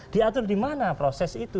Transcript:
diatur di mana proses itu